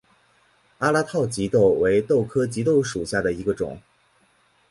阿拉套棘豆为豆科棘豆属下的一个种。